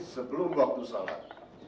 sebelum waktu sholat